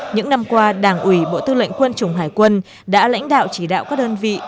những năm qua đảng ủy bộ tư lệnh quân chủng hải quân đã lãnh đạo chỉ đạo các đơn vị